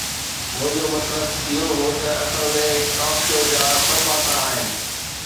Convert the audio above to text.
منهنجو مطلب اهو هو ته اصل ۾ هڪ ٽاڪ شو جا ٻه پاسا آهن.